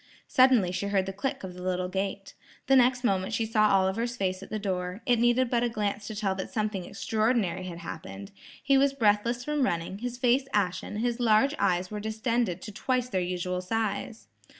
Suddenly she heard the click of the little gate. The next moment she saw Oliver's face at the door. It needed but a glance to tell that something extraordinary had happened. He was breathless from running, his face ashen, his large eyes were distended to twice their usual size.